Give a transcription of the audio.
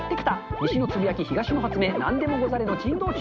西のつぶやき、東の発明、なんでもござれの珍道中。